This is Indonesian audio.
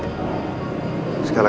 bantu dia noh